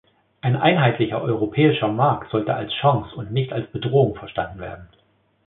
Ein einheitlicher europäischer Markt sollte als Chance und nicht als Bedrohung verstanden werden.